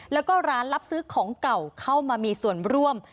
แล้วก็ร้านรับซื้อของเก่าเข้ามามีส่วนร่วม